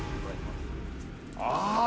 ああ